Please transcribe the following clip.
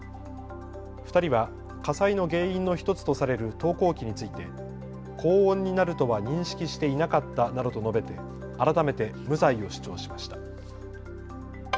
２人は火災の原因の１つとされる投光器について高温になるとは認識していなかったなどと述べて改めて無罪を主張しました。